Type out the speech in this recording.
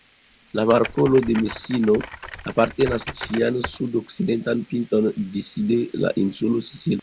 La markolo de Mesino apartigas ĝian sud-okcidentan pinton disde la insulo Sicilio.